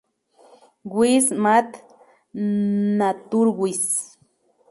Wiss., Math.-Naturwiss.